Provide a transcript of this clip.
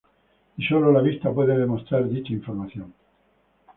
Y solo la vista, puede demostrar dicha información.